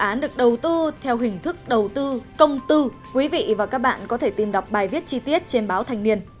dự án được đầu tư theo hình thức đầu tư công tư quý vị và các bạn có thể tìm đọc bài viết chi tiết trên báo thanh niên